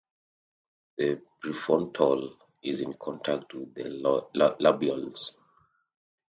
The prefrontal is in contact with the labials.